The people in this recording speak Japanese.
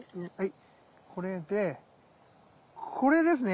これでこれですね？